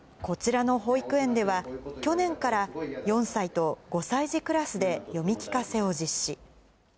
こちらの保育園では、去年から、４歳と５歳児クラスで読み聞かせを実施。